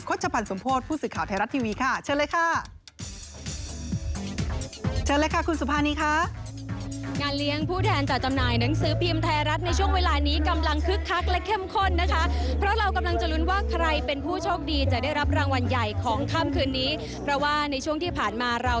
โฆษภัณฑ์สมโภตผู้สื่อข่าวไทยรัฐทีวีค่ะ